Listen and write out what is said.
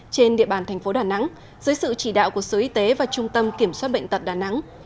trên địa bàn thành phố đà nẵng dưới sự chỉ đạo của sở y tế và trung tâm kiểm soát bệnh tật đà nẵng